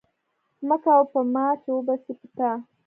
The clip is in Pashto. مه کوه په ما، چي وبه سي په تا